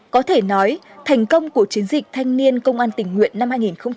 có thể nói thành công của chiến dịch thanh niên công an tình nguyện năm hai nghìn một mươi sáu